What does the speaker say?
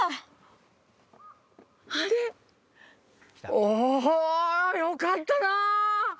およかったな！